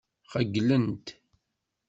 Qeyylent.